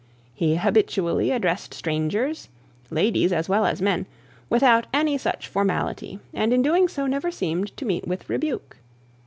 He habitually addressed strangers, ladies as well as men, without any such formality, and in doing so never seemed to meet with rebuke.